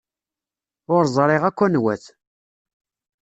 Ur ẓriɣ akk anwa-t.